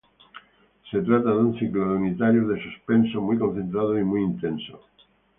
Se trata de un ciclo de unitarios de suspenso muy concentrado y muy intenso.